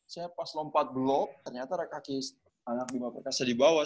saya pas lompat blok ternyata ada kaki anak bima perkasa di bawah